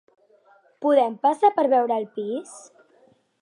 Podem passar per veure el pis?